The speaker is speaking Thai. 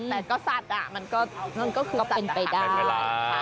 แต่ก็สัตว์อ่ะมันก็คือเป็นเวลา